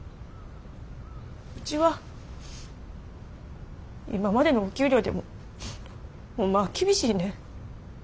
ウチは今までのお給料でもホンマは厳しいねん。